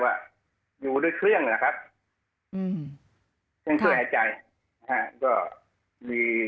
เครื่องเครื่องในหาใจ